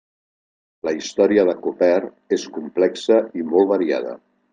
La història de Koper és complexa i molt variada.